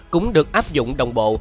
cũng được áp dụng đồng bộ